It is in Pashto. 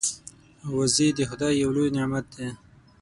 وزې د خدای یو لوی نعمت دی